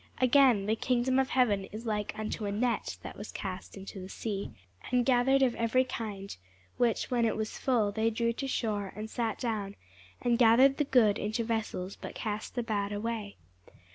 Again, the kingdom of heaven is like unto a net, that was cast into the sea, and gathered of every kind: which, when it was full, they drew to shore, and sat down, and gathered the good into vessels, but cast the bad away.